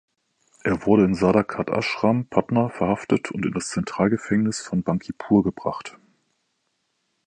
Er wurde in Sadaqat Ashram, Patna verhaftet und in das Zentralgefängnis von Bankipur gebracht.